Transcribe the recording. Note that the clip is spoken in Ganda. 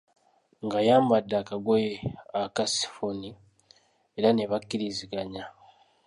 ng’ayambadde akagoye aka sifoni era ne bakkiriziganya.